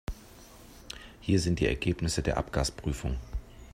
Hier sind die Ergebnisse der Abgasprüfung.